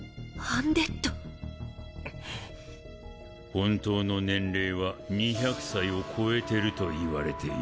本当の年齢は２００歳を超えてるといわれている。